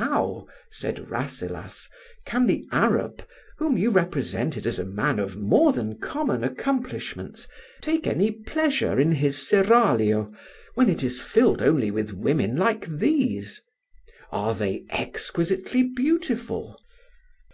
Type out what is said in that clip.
"How," said Rasselas, "can the Arab, whom you represented as a man of more than common accomplishments, take any pleasure in his seraglio, when it is filled only with women like these? Are they exquisitely beautiful?"